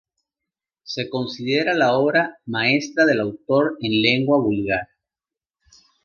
Se considera la obra maestra del autor en lengua vulgar.